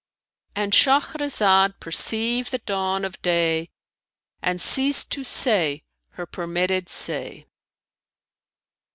"—And Shahrazad perceived the dawn of day and ceased to say her permitted say.